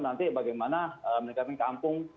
nanti bagaimana meningkatkan kampung